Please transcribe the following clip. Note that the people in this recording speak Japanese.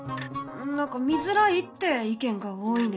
何か見づらいって意見が多いね。